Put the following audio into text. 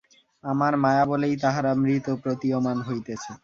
আমার মায়াবলেই তাহারা মৃত প্রতীয়মান হইতেছে।